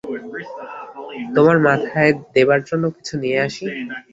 তোমার মাথায় দেবার জন্য কিছু নিয়ে আসি।